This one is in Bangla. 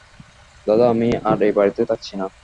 দাদা, আমি আর এই বাড়িতে থাকছি না।